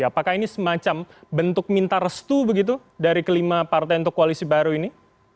apakah ini semacam bentuk minta restu begitu dari kelima partai untuk koalisi baru ini